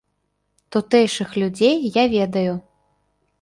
Тутэйшых людзей я ведаю.